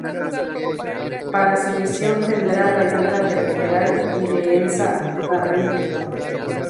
Para su misión tendrá la ayuda del "General" y de Elsa Carrington.